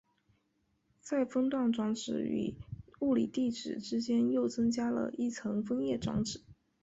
在分段转址与物理地址之间又增加了一层分页转址。